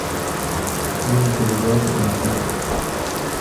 L'unité légale est le joule.